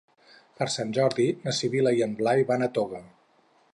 Per Sant Jordi na Sibil·la i en Blai van a Toga.